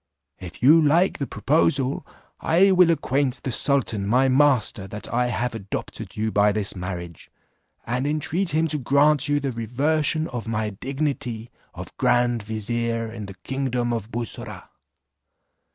If you like the proposal, I will acquaint the sultan my master that I have adopted you by this marriage, and intreat him to grant you the reversion of my dignity of grand vizier in the kingdom of Bussorah.